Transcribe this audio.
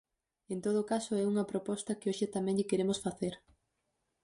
En todo caso, é unha proposta que hoxe tamén lle queremos facer.